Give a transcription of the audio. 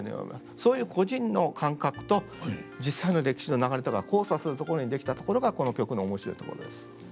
そういう個人の感覚と実際の歴史の流れとが交差するところに出来たところがこの曲の面白いところです。